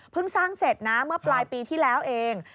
สร้างเสร็จนะเมื่อปลายปีที่แล้วเอง